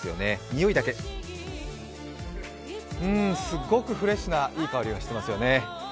においだけうん、すっごくフレッシュないい香りがしてますよね。